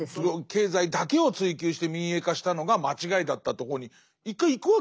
経済だけを追求して民営化したのが間違いだったとこに一回行くわけですよね。